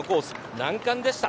難関でした。